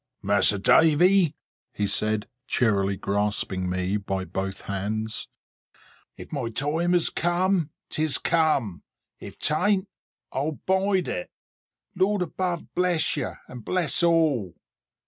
"Mas'r Davy," he said, cheerily grasping me by both hands, "if my time is come, 'tis come. If 'tan't, I'll bide it. Lord above bless you, and bless all!